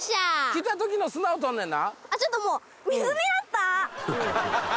来た時の砂を取んねんな。